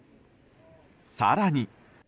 更に。